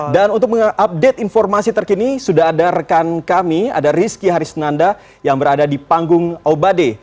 dan untuk mengupdate informasi terkini sudah ada rekan kami ada rizky harisnanda yang berada di panggung obade